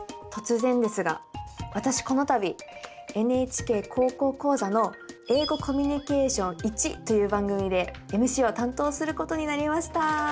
突然ですが私この度「ＮＨＫ高校講座」の「英語コミュニケーションⅠ」という番組でＭＣを担当することになりました。